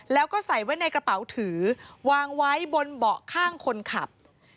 แล้วก็ใส่ไว้ในกระเป๋าถือวางไว้บนเบาะข้างคนขับ